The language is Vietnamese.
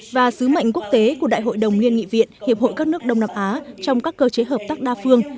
và sứ mệnh quốc tế của đại hội đồng liên nghị viện hiệp hội các nước đông nam á trong các cơ chế hợp tác đa phương